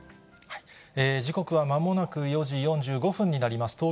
時刻はまもなく４時４５分になります。